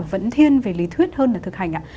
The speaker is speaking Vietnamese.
vẫn thiên về lý thuyết hơn là thực hành ạ